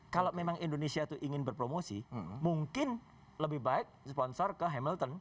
kalau memang indonesia itu ingin berpromosi mungkin lebih baik sponsor ke hamilton